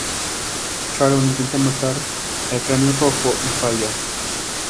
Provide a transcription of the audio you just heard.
Sharon intenta matar al Cráneo Rojo, y falla.